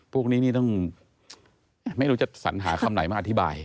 พวกนี้นี่ต้องไม่รู้จะสัญหาคำไหนมาอธิบาย